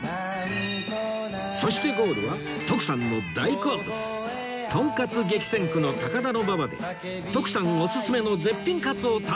そしてゴールは徳さんの大好物とんかつ激戦区の高田馬場で徳さんおすすめの絶品かつを堪能！